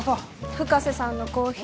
深瀬さんのコーヒー